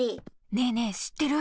ねえねえしってる？